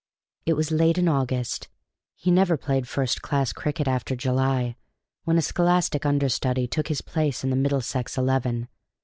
It was late in August; he never played first class cricket after July, when, a scholastic understudy took his place in the Middlesex eleven.